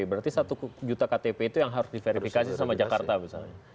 berarti satu juta ktp itu yang harus diverifikasi sama jakarta misalnya